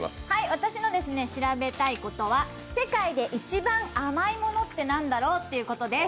私の調べたいことは世界で一番甘いものって何だろうということです。